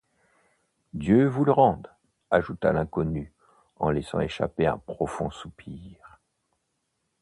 Dieu vous le rende, ajouta l’inconnu en laissant échapper un profond soupir.